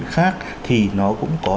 khác thì nó cũng có